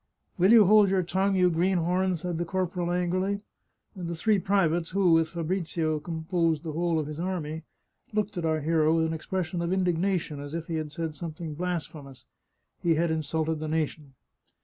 " Will you hold your tongue, you greenhorn ?" said the corporal angrily, and the three privates, who, with Fabrizio, composed the whole of his army, looked at our hero with an expression of indignation, as if he had said something blasphemous. He had insulted the nation